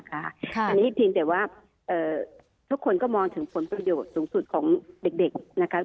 แต่ว่าทุกคนมองถึงประโยชน์สูงสุดของเด็ก